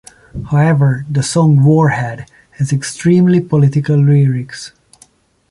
However, the song "Warhead" has extremely political lyrics.